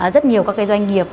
rất nhiều các doanh nghiệp